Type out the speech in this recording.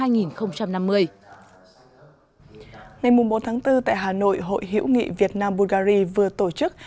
ngày bốn tháng bốn tại hà nội hội hiểu nghị việt nam bulgari vừa tổ chức